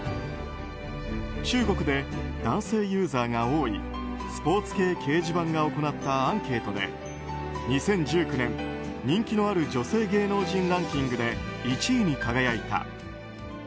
中国で男性ユーザーが多いスポーツ系掲示板が行ったアンケートで２０１９年人気のある女性芸能人ランキングで１位に輝いた。